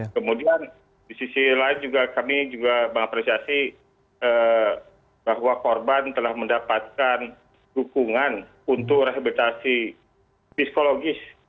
kemudian di sisi lain juga kami juga mengapresiasi bahwa korban telah mendapatkan dukungan untuk rehabilitasi psikologis